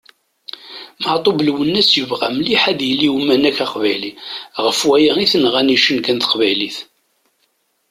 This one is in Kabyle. Meɛtub Lwennas yebɣa mliḥ ad yili uwanek aqbayli, ɣef aya i t-nɣan icenga n teqbaylit!